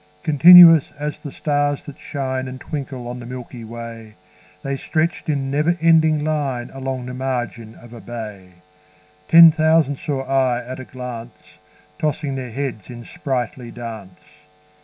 Continuous as the stars that shine And twinkle on the milky way, The stretched in never ending line Along the margin of a bay: Ten thousand saw I at a glance, Tossing their heads in sprightly dance.